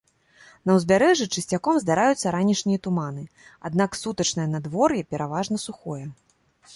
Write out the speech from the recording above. На ўзбярэжжы часцяком здараюцца ранішнія туманы, аднак сутачнае надвор'е пераважна сухое.